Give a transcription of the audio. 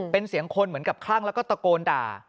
เป็นเสียงคนเหมือนกับคลั่งแล้วก็ตะโกนด่า